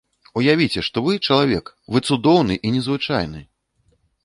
Уявіце, што вы чалавек, вы цудоўны і незвычайны!